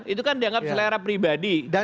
itu kan dianggap selera pribadi